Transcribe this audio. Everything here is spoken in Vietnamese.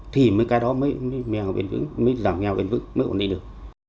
thì cái đó mới giảm nghèo biển vững mới còn đi được